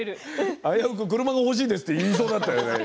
危うく車が欲しいって言いそうだったよね。